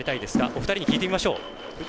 お二人に聞いてみましょう。